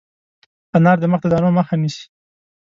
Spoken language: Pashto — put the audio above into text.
انار د مخ د دانو مخه نیسي.